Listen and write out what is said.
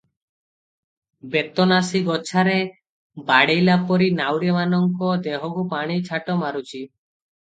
ବେତନାସି ଗୋଛାରେ ବାଡ଼େଇଲା ପରି ନାଉରୀମାନଙ୍କ ଦେହକୁ ପାଣି ଛାଟ ମାରୁଛି ।